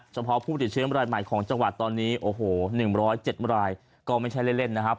เฉพาะผู้ติดเชื้อรายใหม่ของจังหวัดตอนนี้โอ้โห๑๐๗รายก็ไม่ใช่เล่นนะครับ